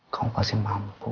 kamu pasti mampu